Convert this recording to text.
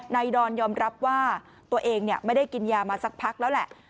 ดอนยอมรับว่าตัวเองไม่ได้กินยามาสักพักแล้วแหละ